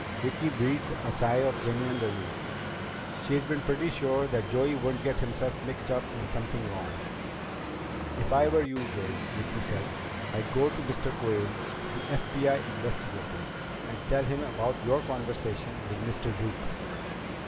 Vicki breathed a deep sigh of genuine relief. She'd been pretty sure that Joey wouldn't get himself mixed up in something wrong. "If I were you, Joey," Vicki said, "I'd go to Mr. Quayle, the FBI investigator, and tell him about your conversation with Mr. Duke."